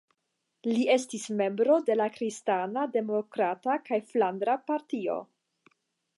Li estis membro de la kristana demokrata kaj flandra partio.